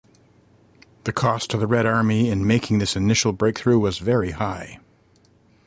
The cost to the Red Army in making this initial breakthrough was very high.